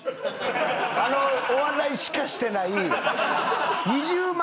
あのお笑いしかしてない２０万